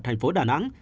thành phố đà nẵng